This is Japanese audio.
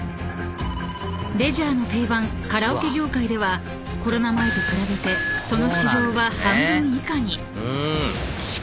［レジャーの定番カラオケ業界ではコロナ前と比べてその市場は半分以下に］